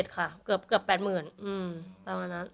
๖๗๐๐๐ค่ะเกือบ๘๐๐๐๐